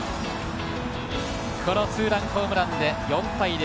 この２ランホームランで４対０。